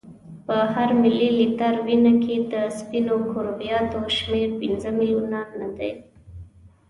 په هر ملي لیتر وینه کې د سپینو کرویاتو شمیر پنځه میلیونه نه دی.